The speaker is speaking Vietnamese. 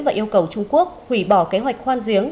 và yêu cầu trung quốc hủy bỏ kế hoạch khoan giếng